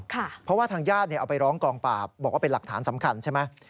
เพราะว่าทางญาติเอาไปร้องกองปราบบอกว่าเป็นหลักฐานสำคัญใช่ไหม